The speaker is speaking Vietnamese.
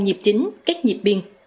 nhịp chính cách nhịp biên